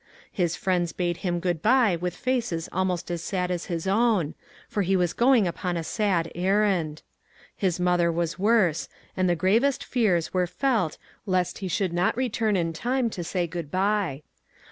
His friends bade him good bye with faces almost as sad as his own, for he was going upon a sad errand. His mother was MAG AND MARGARET worse, and the gravest fears were felt lest he could not reach her in time to say good bye.